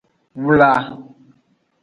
Wla.